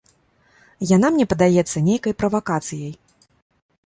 Яна мне падаецца нейкай правакацыяй.